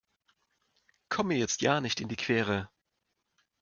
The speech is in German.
Komm mir jetzt ja nicht in die Quere!